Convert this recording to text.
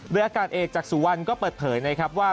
โดยอากาศเอกจากสุวรรณก็เปิดเผยนะครับว่า